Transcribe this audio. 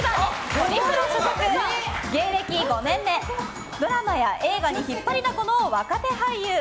ホリプロ所属芸歴５年目ドラマや映画に引っ張りだこの若手俳優。